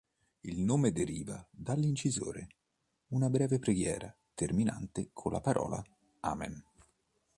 Il nome deriva dall'incisioneː una breve preghiera terminante con la parola "Amen".